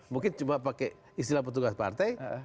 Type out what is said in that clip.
mungkin cuma pakai istilah petugas partai